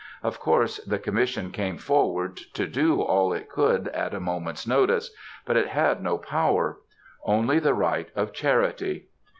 Of course the Commission came forward to do all it could at a moment's notice, but it had no power; only the right of charity.